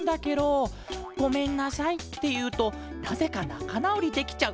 「ごめんなさい」っていうとなぜかなかなおりできちゃう。